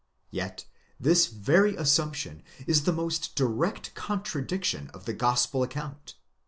Yet this very assumption is the most direct contradiction of the gospel ac count.